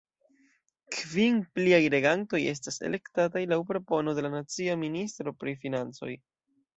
Kvin pliaj regantoj estas elektataj laŭ propono de la nacia ministro pri financoj.